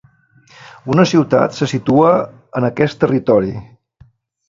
Quina ciutat se situa en aquest territori?